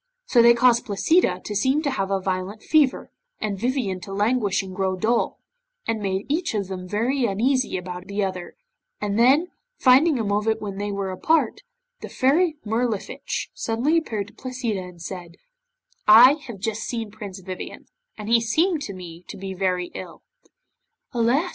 So they caused Placida to seem to have a violent fever, and Vivien to languish and grow dull, and made each of them very uneasy about the other, and then, finding a moment when they were apart, the Fairy Mirlifiche suddenly appeared to Placida, and said 'I have just seen Prince Vivien, and he seemed to me to be very ill.' 'Alas!